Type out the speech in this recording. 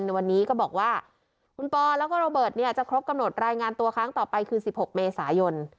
ในวันนี้ก็บอกว่าคุณปอแล้วก็โรเบิร์ตเนี่ยจะครบกำหนดรายงานตัวครั้งต่อไปคือ๑๖เมษายน